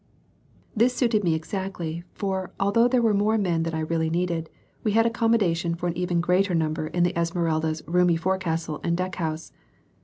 This suited me exactly; for, although there were more men than I really needed, we had accommodation for an even greater number in the Esmeralda's roomy forecastle and deck house.